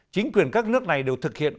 chính quyền các nước này đều thực hiện